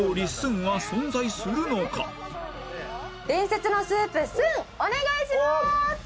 伝説のスープお願いします！